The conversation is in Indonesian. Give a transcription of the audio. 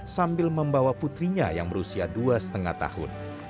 sambil membawa putrinya yang berusia dua lima tahun